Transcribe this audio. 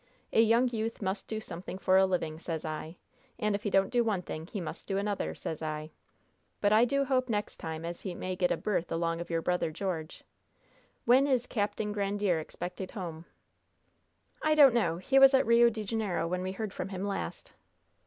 A young youth must do something for a living, sez I; and if he don't do one thing he must do another, sez I. But I do hope next time as he may get a berth along of your brother George. When is Capting Grandiere expected home?" "I don't know. He was at Rio de Janeiro when we heard from him last."